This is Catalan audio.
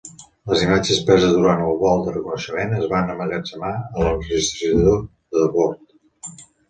Les imatges preses durant el vol de reconeixement es van emmagatzemar a l'enregistrador de bord.